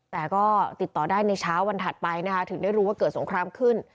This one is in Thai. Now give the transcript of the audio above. แต่ก็ติดต่อได้ในเช้าวันถัดไปนะคะถึงได้รู้ว่าเกิดสงครามขึ้น